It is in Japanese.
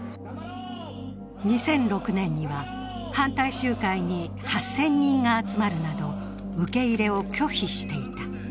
２００６年には、反対集会に８０００人が集まるなど、受け入れを拒否していた。